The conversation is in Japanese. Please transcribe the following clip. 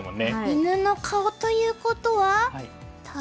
犬の顔ということはタ？